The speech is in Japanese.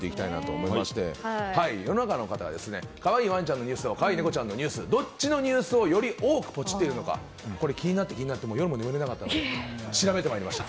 世の中の方が可愛いワンちゃんのニュース可愛いネコちゃんのニュースどっちのニュースをより多くポチッているのか気になって気になって夜も眠れなかったので調べてまいりました。